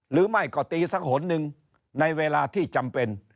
หรือไม่ก็ตีสักหนหนึ่งในเวลาที่จำเป็น